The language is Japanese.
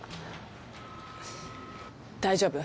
大丈夫。